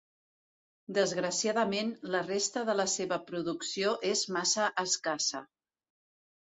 Desgraciadament, la resta de la seva producció és massa escassa.